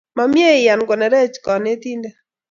Ma mye ian konerech kanetindet